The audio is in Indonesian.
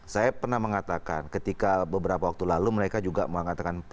saya pernah mengatakan ketika beberapa waktu lalu mereka juga mengatakan